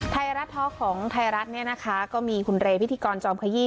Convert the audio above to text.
ไทยรัฐท้อของไทยรัฐเนี่ยนะคะก็มีคุณเรพิธีกรจอมขยี้